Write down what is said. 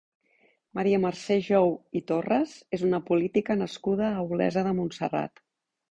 Maria Mercè Jou i Torras és una política nascuda a Olesa de Montserrat.